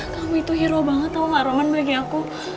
kamu itu hero banget atau gak roman bagi aku